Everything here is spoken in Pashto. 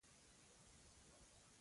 هره ورځ یې د ځوانانو جنازې په لیکه دي.